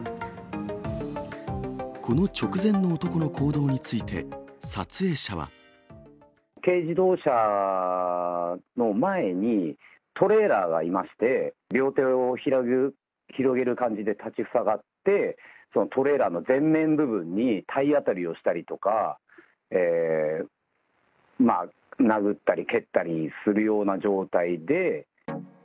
この直前の男の行動について、撮影者は。軽自動車の前にトレーラーがいまして、両手を広げる感じで立ちふさがって、トレーラーの前面部分に体当たりをしたりとか、殴ったり蹴ったりするような状態で。